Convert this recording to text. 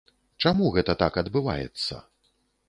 Чаму гэта так адбываецца?